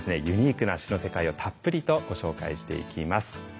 ユニークな詩の世界をたっぷりとご紹介していきます。